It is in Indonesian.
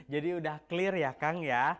jadi sudah clear ya kang ya